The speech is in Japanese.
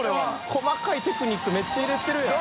細かいテクニックめっちゃ入れてるやん。